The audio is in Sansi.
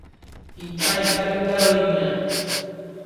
اِنٹا اِکھر ٻیکھر ہوئی گیاں